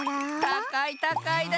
たかいたかいだ！